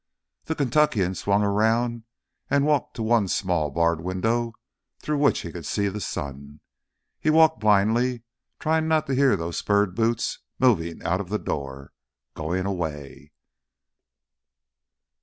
The Kentuckian swung around and walked to the one small, barred window through which he could see the sun. He walked blindly, trying not to hear those spurred boots moving out of the door ... going away....